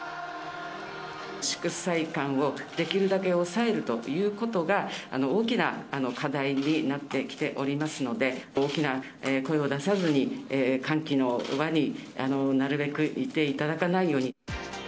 祝祭感をできるだけ抑えるということが、大きな課題になってきておりますので、大きな声を出さずに歓喜の輪になるべくいていただかないように。